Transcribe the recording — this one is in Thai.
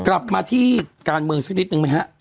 กลับมาที่การเมืองสักนิดนึงไหมฮะ